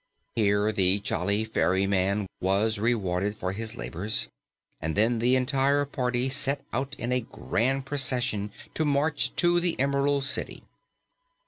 Here the jolly ferryman was rewarded for his labors, and then the entire party set out in a grand procession to march to the Emerald City.